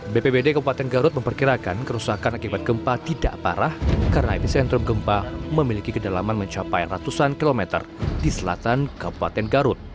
bpbd kabupaten garut memperkirakan kerusakan akibat gempa tidak parah karena epicentrum gempa memiliki kedalaman mencapai ratusan kilometer di selatan kabupaten garut